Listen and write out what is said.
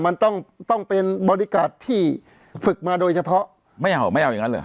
มันต้องเป็นบริการ์ที่ฝึกมาโดยเฉพาะไม่เห่าไม่เอาอย่างนั้นเหรอ